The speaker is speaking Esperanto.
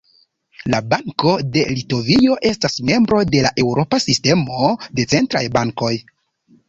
La Banko de Litovio estas membro de la Eŭropa Sistemo de Centraj Bankoj.